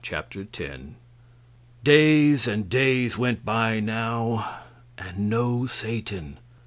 Chapter 10 Days and days went by now, and no Satan.